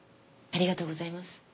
ありがとうございます。